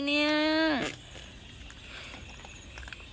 โอ้ยลงไปได้ยังไงเนี่ย